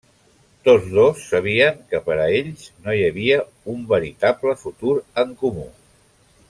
Tots dos sabien que per a ells no hi havia un veritable futur en comú.